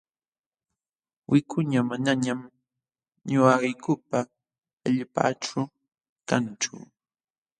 Wikuña manañam ñuqaykupa allpaaćhu kanchu.